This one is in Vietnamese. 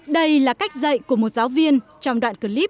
đây là cách dạy của một giáo viên trong đoạn clip